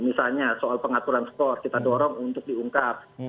misalnya soal pengaturan skor kita dorong untuk diungkap